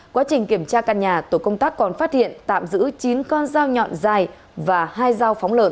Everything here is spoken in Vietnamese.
quá trình kiểm tra căn nhà tổ công tác còn phát hiện tạm giữ chín con dao nhọn dài và hai dao phóng lợn